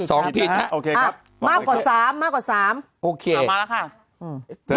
ผิดฮะโอเคครับมากกว่าสามมากกว่าสามโอเคเอามาแล้วค่ะอืม